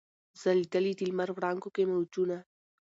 ځلېدل یې د لمر وړانګو کي موجونه